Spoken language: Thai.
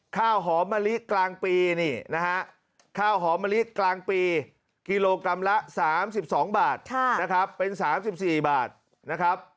ข้าวหอมมะลิกลางปีนี่นะฮะข้าวหอมมะลิกลางปีกิโลกรัมละ๓๒บาทนะครับเป็น๓๔บาทนะครับ